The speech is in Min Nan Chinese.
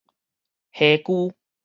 痚呴